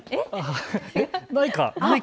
ないかな？